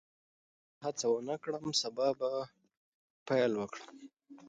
که زه نن هڅه ونه کړم، سبا به پیل وکړم.